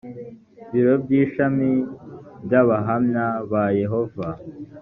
biro by ishami by abahamya ba yehova